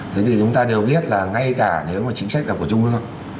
thế thì chúng ta đều biết là ngay cả nếu mà chính sách là của trung quốc